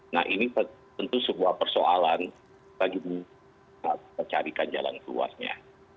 nah ini tentu sebuah persoalan bagi mencarikan jalan keluarnya